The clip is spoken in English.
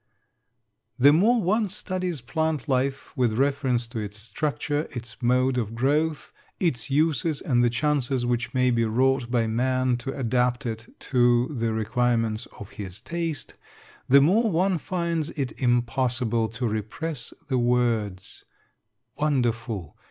_ The more one studies plant life with reference to its structure, its mode of growth, its uses and the changes which may be wrought by man to adapt it to the requirements of his taste, the more one finds it impossible to repress the words Wonderful!